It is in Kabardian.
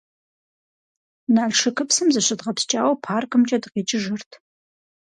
Налшыкыпсым зыщыдгъэпскӀауэ паркымкӀэ дыкъикӀыжырт.